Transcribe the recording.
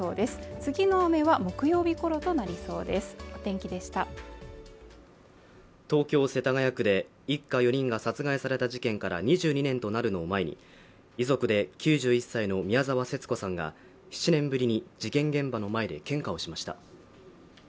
次の雨は木曜日ごろとなりそうですお天気でした東京・世田谷区で一家４人が殺害された事件から２２年となるのを前に遺族で９１歳の宮沢節子さんが７年ぶりに事件現場の前で献花をしました